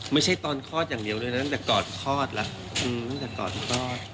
ไม่ใช่ตอนคลอดอย่างเดียวเลยนะตั้งแต่ก่อนคลอดแล้วตั้งแต่ก่อนคลอด